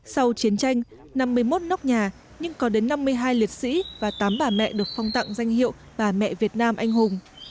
sau chiến tranh năm mươi một nóc nhà nhưng có đến năm mươi hai liệt sĩ và tám bà mẹ được phong tặng danh hiệu bà mẹ việt nam anh hùng